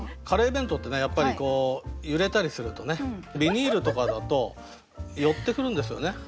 カレー弁当ってねやっぱり揺れたりするとねビニールとかだと寄ってくるんですよね